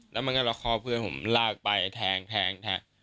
แล้วมันก็ละคอเพื่อนผมลากไปแทงแทง